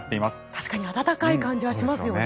確かに暖かい感じはしますよね。